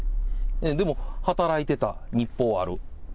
でも働いていた、日報はある。